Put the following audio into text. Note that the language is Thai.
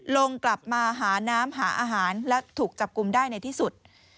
ลงกลับมาหาน้ำหาอาหารและถูกจับกลุ่มได้ในที่สุด